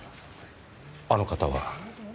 あの方は？